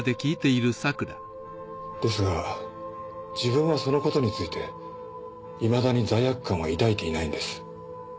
ですが自分はそのことについていまだに罪悪感は抱いていないんです。